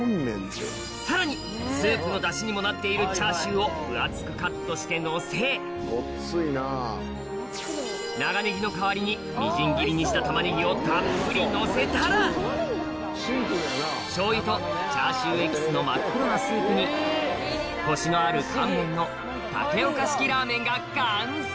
さらにスープのダシにもなっているチャーシューを分厚くカットしてのせ長ネギの代わりにみじん切りにしたタマネギをたっぷりのせたらしょう油とチャーシューエキスの真っ黒なスープにコシのある乾麺の竹岡式ラーメンが完成！